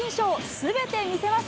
すべて見せます。